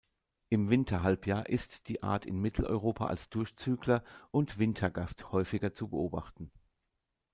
Im Winterhalbjahr ist die Art in Mitteleuropa als Durchzügler und Wintergast häufiger zu beobachten.